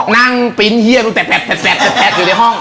ปริ้นเฮียดูแต่อยู่ในห้อง